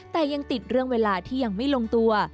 แต่ยังติดเรื่องเวลาที่ยังไม่ลงตัว